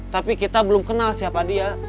tapi kita belum kenal siapa dia